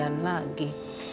aku sendirian lagi